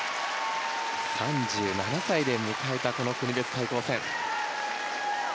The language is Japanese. ３７歳で迎えた国別対抗戦。